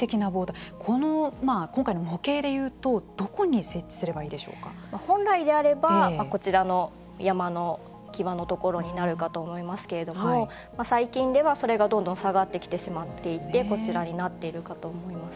今回の模型で言うと本来であればこちらの山の際のところになるかと思いますけれども最近ではそれがどんどん下がってきてしまっていてこちらになっているかと思います。